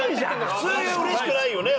普通嬉しくないよね？